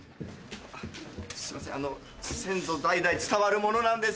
すいません先祖代々伝わるものなんです。